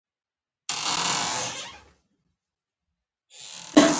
هغوی ژمنه کړې وه چې لګښت په توګه ورکوي.